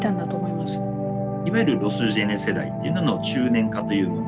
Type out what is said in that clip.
いわゆるロスジェネ世代というのの中年化という問題。